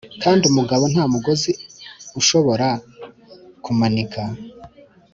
kandi umugabo nta mugozi ushobora kumanika